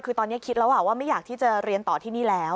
คือตอนนี้คิดแล้วว่าไม่อยากที่จะเรียนต่อที่นี่แล้ว